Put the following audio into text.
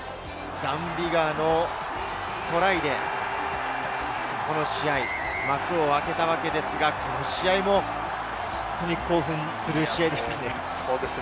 ダン・ビガーのトライでこの試合、幕を開けたわけですが、この試合も本当に興奮する試合でした。